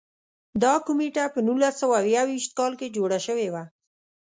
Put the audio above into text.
دا کمېټه په نولس سوه یو ویشت کال کې جوړه شوې وه.